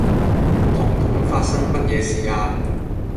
彤彤發生乜嘢事呀